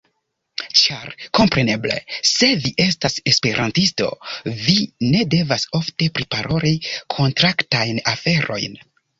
Ĉar kompreneble, se vi estas Esperantisto, vi ne devas ofte priparoli kontraktajn aferojn.